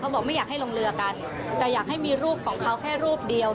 บอกไม่อยากให้ลงเรือกันแต่อยากให้มีรูปของเขาแค่รูปเดียว